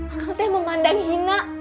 akang teh memandang hina